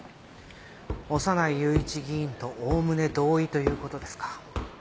小山内雄一議員とおおむね同意という事ですか。